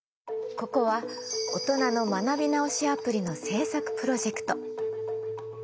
ここはオトナの学び直しアプリの制作プロジェクト。